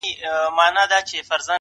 چي وطن یې کړ خالي له غلیمانو٫